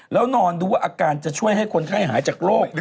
แล้วนอนดูว่าอาการจะช่วยให้คนไข้หายจากโรค